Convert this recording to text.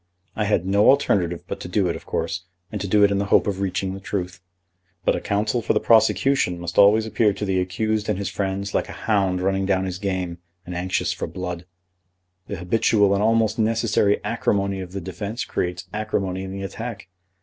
I had no alternative but to do it, of course, and to do it in the hope of reaching the truth. But a counsel for the prosecution must always appear to the accused and his friends like a hound running down his game, and anxious for blood. The habitual and almost necessary acrimony of the defence creates acrimony in the attack.